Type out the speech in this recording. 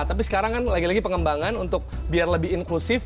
tapi sekarang kan lagi lagi pengembangan untuk biar lebih inklusif